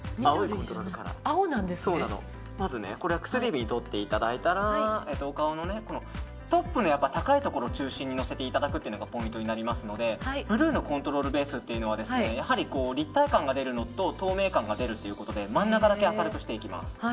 まず薬指に取っていただいたらお顔のトップの高いところ中心にのせていただくというのがポイントになりますのでブルーのコントロールベースは立体感が出るのと透明感が出るということで真ん中だけ明るくしていきます。